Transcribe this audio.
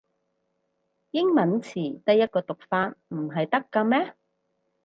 英文詞得一個讀法唔係得咖咩